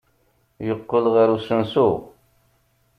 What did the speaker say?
Yeqqel ɣer usensu.